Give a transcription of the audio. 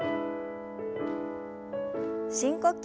深呼吸。